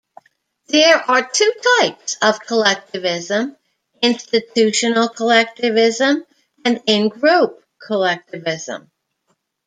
There are two types of collectivism: institutional collectivism and in-group collectivism.